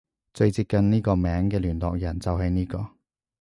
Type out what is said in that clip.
最接近呢個名嘅聯絡人就係呢個